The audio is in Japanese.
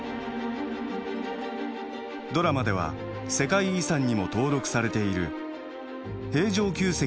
ドラマでは世界遺産にも登録されている平城宮跡にある東院庭園。